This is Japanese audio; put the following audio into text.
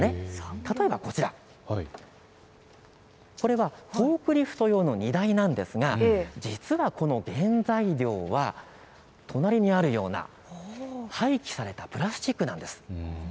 例えばこちら、これはフォークリフト用の荷台なんですが実は原材料は隣にあるような廃棄されたプラスチックなんです。